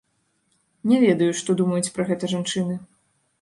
Не ведаю, што думаюць пра гэта жанчыны.